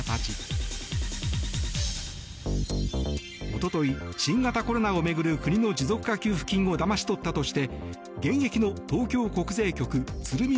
おととい、新型コロナを巡る国の持続化給付金をだまし取ったとして現役の東京国税局鶴見